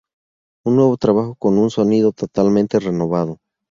Un nuevo trabajo con un sonido totalmente renovado.